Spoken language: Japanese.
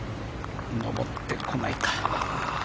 上ってこないか。